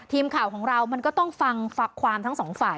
ทีมข่าวของเรามันก็ต้องฟังความทั้งสองฝ่าย